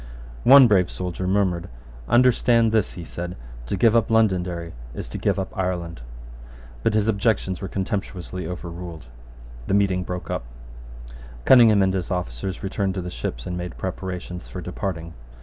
One brave soldier murmured. "Understand this," he said, "to give up Londonderry is to give up Ireland." But his objections were contemptuously overruled, The meeting broke up. Cunningham and his officers returned to the ships, and made preparations for departing.